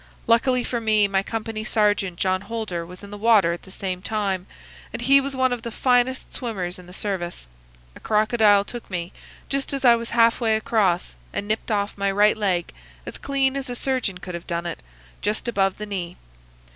Luckily for me, my company sergeant, John Holder, was in the water at the same time, and he was one of the finest swimmers in the service. A crocodile took me, just as I was half way across, and nipped off my right leg as clean as a surgeon could have done it, just above the knee.